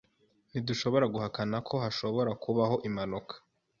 Ntidushobora guhakana ko hashobora kubaho impanuka.